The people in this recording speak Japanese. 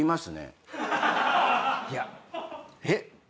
いやえっ？